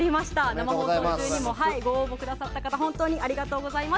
生放送中にもご応募くださった方本当にありがとうございます。